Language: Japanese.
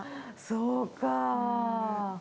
そうか。